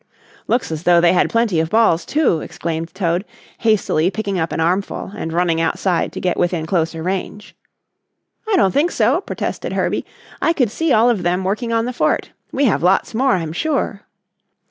"Looks as though they had plenty of balls, too," exclaimed Toad, hastily picking up an armful and running outside to get within closer range. "I don't think so," protested Herbie. "I could see all of them working on the fort. We have lots more, I'm sure."